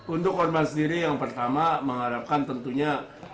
untuk korban sendiri yang pertama mengharapkan tentunya